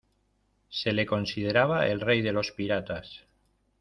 Se le consideraba el rey de los piratas.